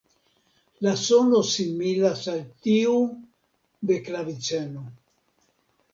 La sono similas al tiu de klaviceno.